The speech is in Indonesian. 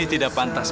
iya saya mau tarik